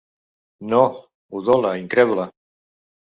No! –udola incrèdula–.